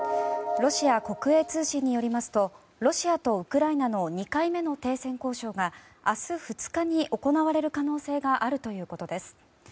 ロシア国営通信によりますとロシアとウクライナの２回目の停戦交渉が明日、２日に行われる可能性があるということです。